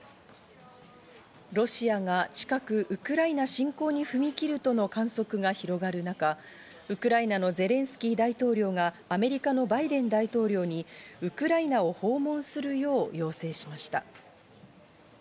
ロシアが近くウクライナ侵攻に踏み切るとの観測が広がる中、ウクライナのゼレンスキー大統領がアメリカのバイデン大統領にウクライナを訪問するよう要請しました。